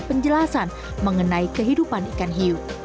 penjelasan mengenai kehidupan ikan hiu